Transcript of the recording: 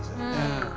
うん。